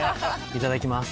いただきます。